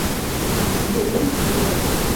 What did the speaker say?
হ্যাঁ, vroom vroom আর্মির ওরা!